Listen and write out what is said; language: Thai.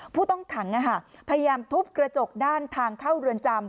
ผู้ต้องขังพยายามทุบกระจกด้านทางเข้าเรือนจำ